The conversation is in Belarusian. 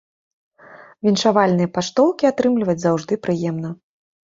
Віншавальныя паштоўкі атрымліваць заўжды прыемна.